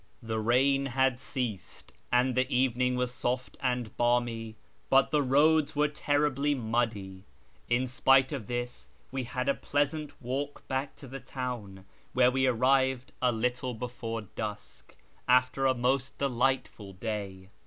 The rain had ceased and the evening was soft and balmy, but the roads were terribly muddy. In spite of this we had a pleasant walk back to the town, where we arrived a little before dusk, after a most delightful day.